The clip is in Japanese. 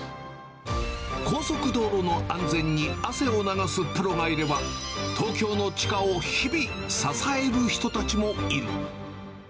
高速道路の安全に汗を流すプロがいれば、東京の地下を日々、支える人たちもいる。